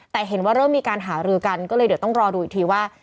แต่เห็นว่าเริ่มมีการหารือกันก็เลยเดี๋ยวต้องรอดูอีกทีว่า